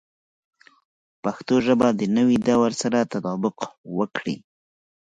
پښتو ژبه د نوي دور سره تطابق وکړي.